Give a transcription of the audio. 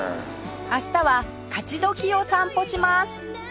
明日は勝どきを散歩します